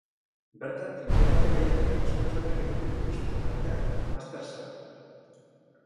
Bertan trinketaren lehiaketak ospetsuenak egiten dituzte, tartean Mastersa.